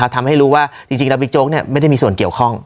ทำให้รู้ว่าจริงแล้วบิ๊กโจ๊กไม่ได้มีส่วนเกี่ยวข้อง